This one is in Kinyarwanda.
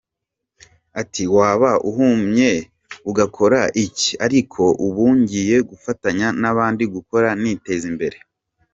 Ati“waba uhumye ugakora iki? ariko ubu ngiye gufatanya n’abandi gukora niteza imbere”.